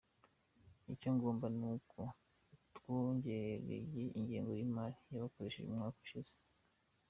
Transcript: Icya ngombwa ni uko twongereye ingengo y’imari bakoresheje umwaka ushize.